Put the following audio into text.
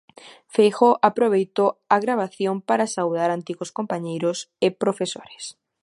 Feijóo aproveitou a gravación para saudar antigos compañeiros e profesores.